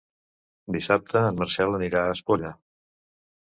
Dissabte en Marcel anirà a Espolla.